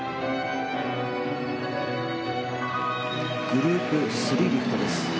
グループ３リフトです。